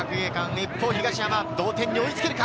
一方、東山、同点に追いつけるか。